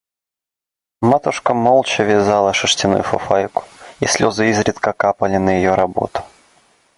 Матушка молча вязала шерстяную фуфайку, и слезы изредка капали на ее работу.